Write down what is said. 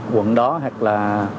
quận đó hay là